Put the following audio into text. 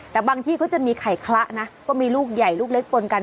แต่บางที่ก็จะมีไข่คละนะก็มีลูกใหญ่ลูกเล็กปนกัน